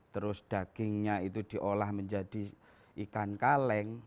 terus dagingnya itu diolah menjadi ikan kaleng